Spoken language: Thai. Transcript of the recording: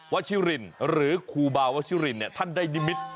วัฒนรินณ์หรือคูบาววัฒนรินณ์เนี้ยท่านใดนิมิติ